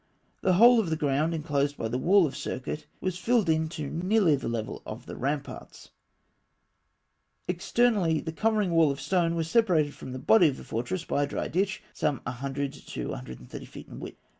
The whole of the ground enclosed by the wall of circuit was filled in to nearly the level of the ramparts (fig. 36). Externally, the covering wall of stone was separated from the body of the fortress by a dry ditch, some 100 to 130 feet in width.